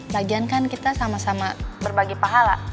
lagian kan kita sama sama berbagi pahala